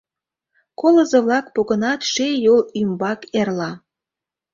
Колызо-влак погынат ший Юл ӱмбак эрла.